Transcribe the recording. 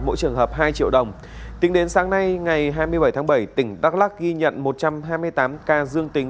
mỗi trường hợp hai triệu đồng tính đến sáng nay ngày hai mươi bảy tháng bảy tỉnh đắk lắc ghi nhận một trăm hai mươi tám ca dương tính